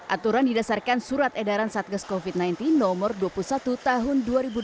aturan didasarkan surat edaran satgas covid sembilan belas nomor dua puluh satu tahun dua ribu dua puluh